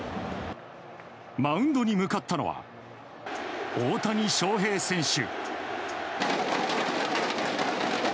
マウンドに向かったのは大谷翔平選手。